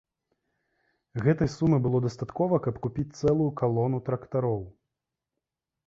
Гэтай сумы было дастаткова, каб купіць цэлую калону трактароў.